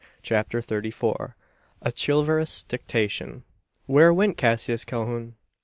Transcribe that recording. CHAPTER THIRTY FOUR. A CHIVALROUS DICTATION. Where went Cassius Calhoun?